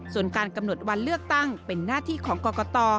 ส่วนการกำหนดวันเลือกตั้งเป็นหน้าที่ของกรกต